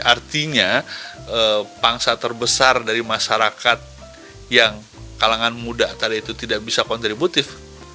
artinya pangsa terbesar dari masyarakat yang kalangan muda tadi itu tidak bisa kontributif